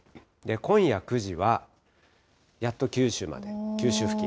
今夜９時は、やっと九州まで、九州付近。